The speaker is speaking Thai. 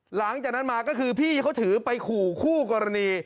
หลังจากนั้นมาก็คือพี่เขาถือไปขู่คู่กรณี